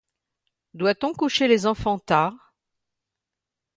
Doit-on coucher les enfants tard ?